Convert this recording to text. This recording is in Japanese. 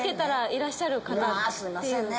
すいませんね。